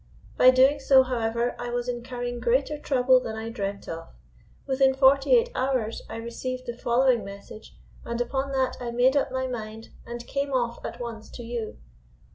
By doing so, however, I was incurring greater trouble than I dreamt of. Within forty eight hours I received the following message, and upon that I made up my mind and came off at once to you.